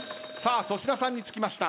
粗品さんにつきました。